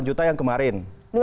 dua delapan juta yang kemarin